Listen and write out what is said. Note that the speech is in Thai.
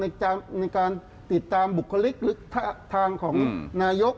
ในการติดตามบุคลิกฐานของนายก